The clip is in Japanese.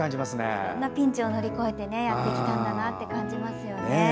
いろんなピンチを乗り越えてやってきたんだなと感じますね。